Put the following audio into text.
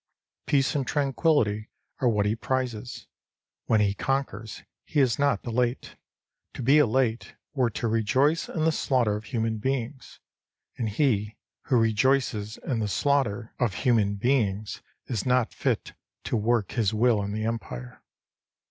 Peace and tranquillity are what he prizes. When he conquers, he is not elate. To be elate were to rejoice in the slaughter of human beings. And he who rejoices in the slaughter of 4i human Deings is not fit to work his will in the Empire.